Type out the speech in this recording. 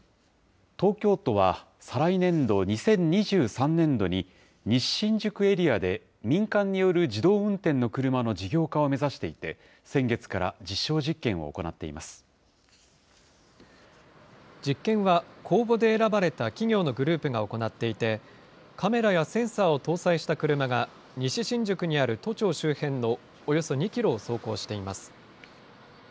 東京都は、再来年度・２０２３年度に、西新宿エリアで、民間による自動運転の車の事業化を目指していて、先月から実証実実験は公募で選ばれた企業のグループが行っていて、カメラやセンサーを搭載した車が、西新宿にある都庁周辺のおよそ２キロを走行しています。